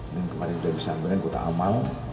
yang kemarin sudah disambungkan kotak amal